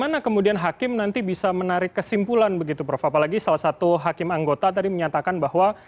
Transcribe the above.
bagaimana kemudian hakim nanti bisa menarik kesimpulan begitu prof apalagi salah satu hakim anggota tadi menyatakan bahwa